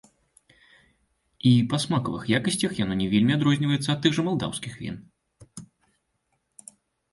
І па смакавых якасцях яно не вельмі адрозніваецца ад тых жа малдаўскіх він.